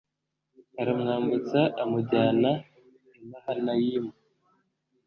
aramwambutsa amujyana i Mahanayimu